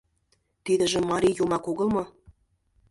Тидыже марий юмак огыл мо?..